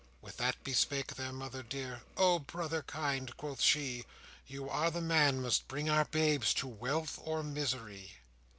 With that bespake their mother dear: "O brother kind," quoth she, "You are the man must bring our babes To wealth or misery.